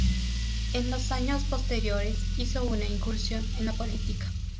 En los años posteriores hizo una incursión en la política.